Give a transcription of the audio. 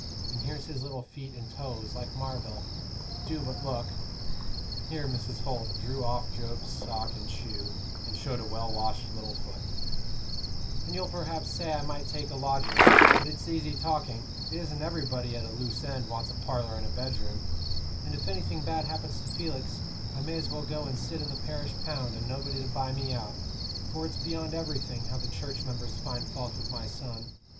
And here's his little feet and toes, like marbil; do but look" here Mrs. Holt drew off Job's sock and shoe, and showed a well washed little foot "and you'll perhaps say I might take a lodger; but it's easy talking; it isn't everybody at a loose end wants a parlor and a bedroom; and if anything bad happens to Felix, I may as well go and sit in the parish pound, and nobody to buy me out; for it's beyond everything how the church members find fault with my son.